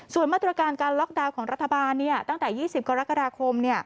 ส่วนมาตรการการล็อกดาวน์ของรัฐบาลตั้งแต่๒๐กรกฎาคม